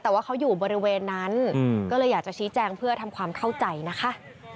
แต่ว่าเขาอยู่บริเวณนั้นก็เลยอยากจะชี้แจงเพื่อทำความเข้าใจนะคะ